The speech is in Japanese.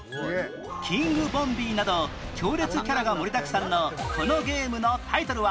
キングボンビーなど強烈キャラが盛りだくさんのこのゲームのタイトルは？